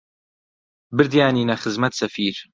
بردیانینە خزمەت سەفیر